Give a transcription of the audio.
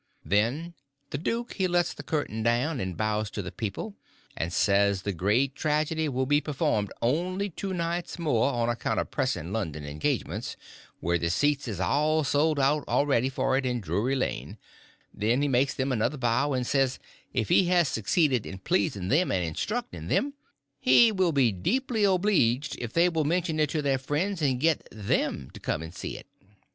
Then the duke he lets the curtain down, and bows to the people, and says the great tragedy will be performed only two nights more, on accounts of pressing London engagements, where the seats is all sold already for it in Drury Lane; and then he makes them another bow, and says if he has succeeded in pleasing them and instructing them, he will be deeply obleeged if they will mention it to their friends and get them to come and see it.